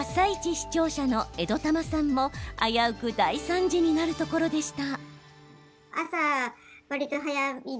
視聴者のえどたまさんも危うく大惨事になるところでした。